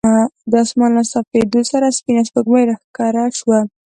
د اسمان له صافېدو سره سپینه سپوږمۍ راښکاره شوه.